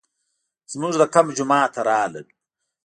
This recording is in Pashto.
زموږ د کمپ جومات ته راغلل.